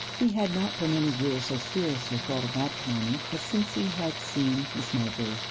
He had not for many years so seriously thought of matrimony as since he had seen Miss Mowbray.